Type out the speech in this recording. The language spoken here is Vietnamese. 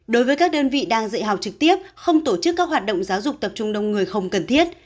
đối với các đơn vị đang dạy học trực tiếp không tổ chức các hoạt động giáo dục tập trung đông người không cần thiết